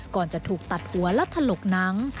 ก่อนจะถูกตัดหัวและถลกหนัง